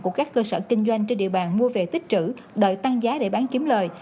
của các cơ sở kinh doanh trên địa bàn mua về tích trữ đợi tăng giá để bán kiếm lời